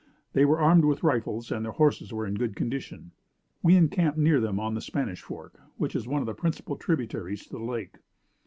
They were armed with rifles, and their horses were in good condition. We encamped near them, on the Spanish Fork, which is one of the principal tributaries to the lake.